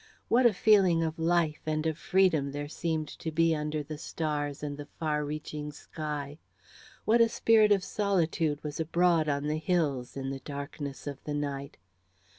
What a feeling of life and of freedom there seemed to be under the stars and the far reaching sky! What a spirit of solitude was abroad on the hills, in the darkness of the night!